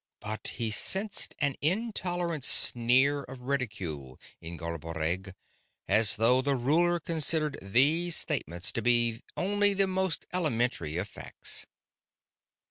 But he sensed an intolerant sneer of ridicule in Garboreggg, as though the ruler considered these statements to be only the most elementary of facts.